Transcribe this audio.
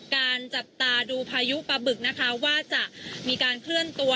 จับตาดูพายุปลาบึกนะคะว่าจะมีการเคลื่อนตัว